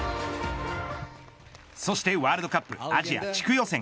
そしてワールドカップアジア地区予選